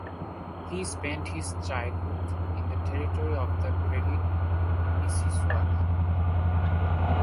He spent his childhood in the territory of the Credit Mississauga.